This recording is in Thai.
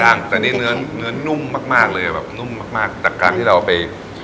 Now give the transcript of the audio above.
งแต่นี่เนื้อเนื้อนุ่มมากมากเลยแบบนุ่มมากมากจากการที่เราไป